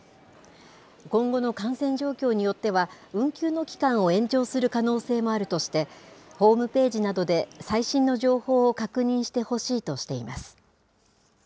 今後の感染状況によっては、運休の期間を延長する可能性もあるとして、ホームページなどで最新の情報を確認してほしいとしています。